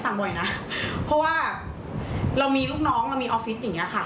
บ่อยนะเพราะว่าเรามีลูกน้องเรามีออฟฟิศอย่างเงี้ค่ะ